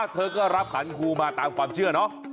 เธอก็รับขันครูมาตามความเชื่อเนอะ